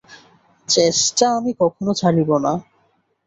চেষ্টা আমি কখনও ছাড়িব না।